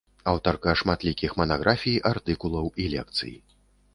Аўтарка шматлікіх манаграфій, артыкулаў і лекцый.